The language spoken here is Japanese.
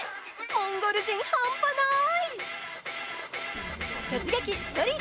モンゴル人半端ない！